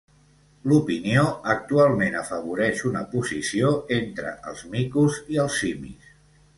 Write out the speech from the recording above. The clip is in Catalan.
L'opinió actualment afavoreix una posició entre els micos i els simis.